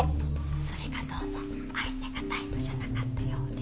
それがどうも相手がタイプじゃなかったようで。